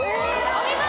お見事！